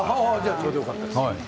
ちょうどよかったです。